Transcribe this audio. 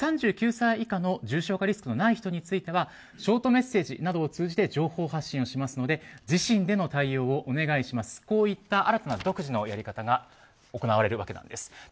３９歳以下の重症化リスクのない人についてはショートメッセージなどを通じて情報発信しますので自身での対応をお願いしますといった新たな独自のやり方が行われるわけです。